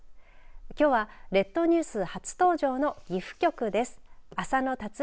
きょうは列島ニュース初登場の岐阜局です。